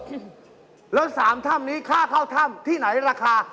แล้วสามถ้ำนี้ค่าเข้าถ้ำที่ไหนราคา